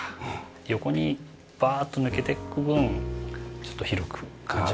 横にバーッと抜けていく分ちょっと広く感じますかね。